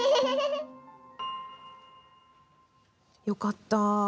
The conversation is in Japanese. よかった。